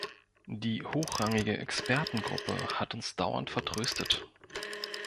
Die hochrangige Expertengruppe hat uns dauernd vertröstet.